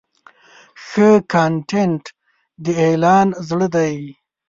ښه کانټینټ د اعلان زړه دی.